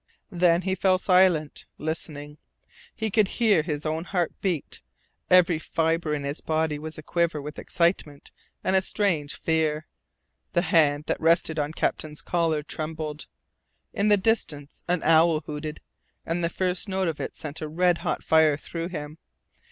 Then he fell silent listening. He could hear his own heart beat. Every fibre in his body was aquiver with excitement and a strange fear. The hand that rested on Captain's collar trembled. In the distance an owl hooted, and the first note of it sent a red hot fire through him.